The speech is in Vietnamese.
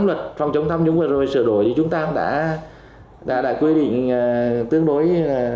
luật phòng chống tham nhũng vừa rồi sửa đổi thì chúng ta cũng đã quy định tương đối là